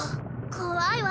怖いわ。